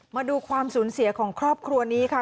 มาดูความสูญเสียของครอบครัวนี้ค่ะ